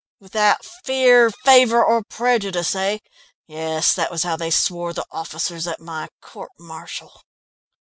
"Without fear, favour or prejudice, eh? Yes, that was how they swore the officers at my court martial."